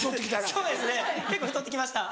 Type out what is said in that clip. そうですね結構太って来ました。